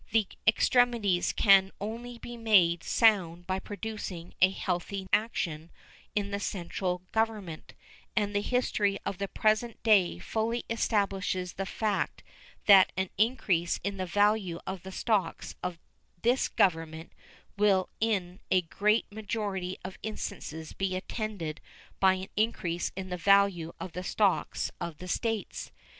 The extremities can only be made sound by producing a healthy action in the central Government, and the history of the present day fully establishes the fact that an increase in the value of the stocks of this Government will in a great majority of instances be attended by an increase in the value of the stocks of the States.